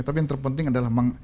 tapi yang terpenting adalah